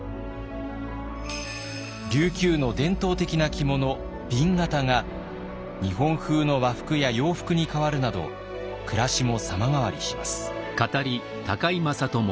琉球の伝統的な着物紅型が日本風の和服や洋服に変わるなど暮らしも様変わりします。